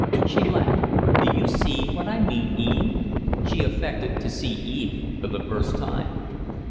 She laughed. "Do you see what I mean, Eve?" She affected to see Eve for the first time.